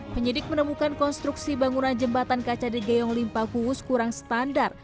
penyidik menemukan konstruksi bangunan jembatan kaca degeong limpakus kurang standar